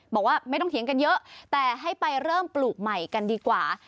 บอกว่าไม่ต้องเถียงกันเยอะแต่ให้ไปเริ่มปลูกใหม่กันดีกว่า